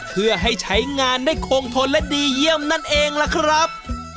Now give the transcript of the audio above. เพื่อให้ใช้งานได้คงทนและดีเยี่ยมนั่นเองล่ะครับ